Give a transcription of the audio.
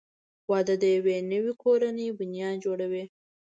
• واده د یوې نوې کورنۍ بنیاد جوړوي.